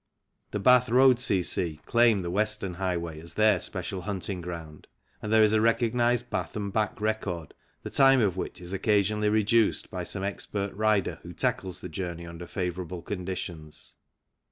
The Bath Road C.C. claim the western highway as their special hunting ground, and there is a recognized Bath and Back Record, the time of which is occasionally reduced by some expert rider who tackles the journey under favourable conditions.